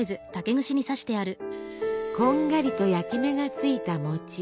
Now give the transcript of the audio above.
こんがりと焼き目がついた餅。